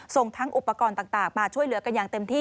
ทั้งอุปกรณ์ต่างมาช่วยเหลือกันอย่างเต็มที่